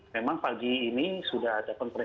memang pagi ini sudah ada